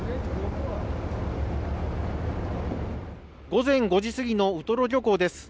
午前５時過ぎのウトロ漁港です。